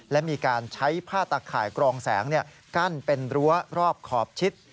และมีการใช้ผ้าตะข่ายกรองแสงกั้นเป็นรั้วรอบขอบชิด